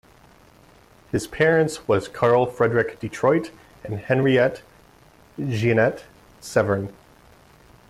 His Parents was Carl Friedrich Detroit and Henriette Jeanette Severin.